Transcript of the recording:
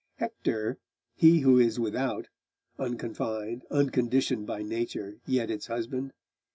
Hector, he who is without unconfined, unconditioned by Nature, yet its husband?